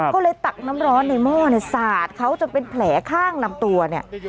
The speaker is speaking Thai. ก็เลยตักน้ำร้อนในหม้อเนี่ยสาดเขาจนเป็นแผลข้างลำตัวเนี่ย